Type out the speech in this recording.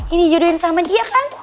ini jodohin sama dia kan